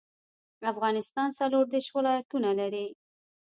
افغانستان څلور ديرش ولايتونه لري